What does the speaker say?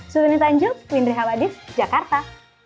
suli nita anjuk windri haladis jakarta